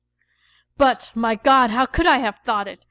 But, my God, how could I have thought it